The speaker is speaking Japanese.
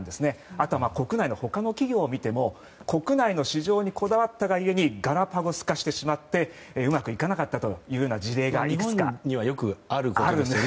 あと、国内の他の企業を見ても国内の市場にこだわったがゆえにガラパゴス化してしまってうまくいかなかった日本ではよくあることですよね。